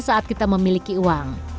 saat kita memiliki uang